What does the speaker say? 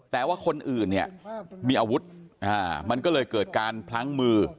แต่ว่าคนอื่นเนี่ยมีอาวุธมันก็เลยเกิดการพลั้งมือ